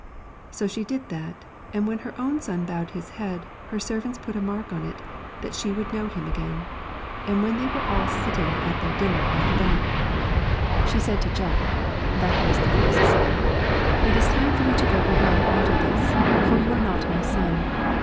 So she did that, and when her own son bowed his head, her servants put a mark on him that she would know him again. And when they were all sitting at their dinner after that, she said to Jack, that The was the cook's son, ' It is time for you to Celtic r 1 • r Twilight, go away out of this, for you are not my son.'